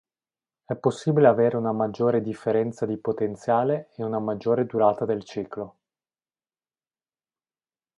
È possibile avere una maggiore differenza di potenziale e una maggiore durata del ciclo.